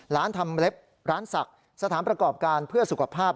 ทำเล็บร้านศักดิ์สถานประกอบการเพื่อสุขภาพ